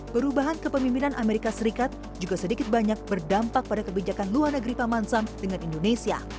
perubahan kepemimpinan amerika serikat juga sedikit banyak berdampak pada kebijakan luar negeri paman sam dengan indonesia